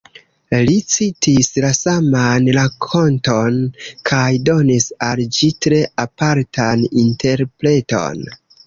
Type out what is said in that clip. Li citis la saman rakonton kaj donis al ĝi tre apartan interpreton.